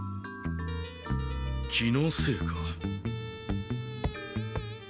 気のせいか。